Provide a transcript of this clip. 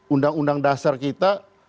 undang undang dasar kita